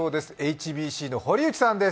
ＨＢＣの堀内さんです。